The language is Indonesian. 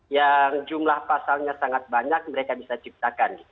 yang jumlah pasalnya sangat banyak mereka bisa ciptakan